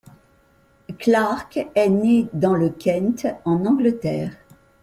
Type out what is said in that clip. Clarke est née dans le Kent, en Angleterre.